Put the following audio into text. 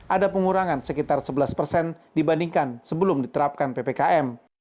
ada pengurangan sekitar sebelas persen dibandingkan sebelum diterapkan ppkm